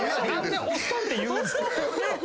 何でおっさんって言うんすか。